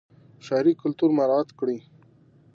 ښاري کلتور مراعات کړئ.